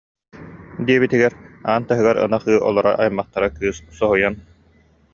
диэбитигэр, аан таһыгар ынах ыы олорор аймахтара кыыс соһуйан: